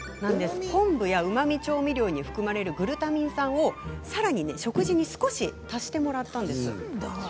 昆布や、うまみ調味料に含まれるグルタミン酸を食事に少し足してもらったんです。